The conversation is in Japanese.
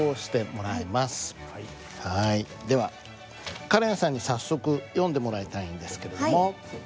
ではカレンさんに早速読んでもらいたいんですけれども。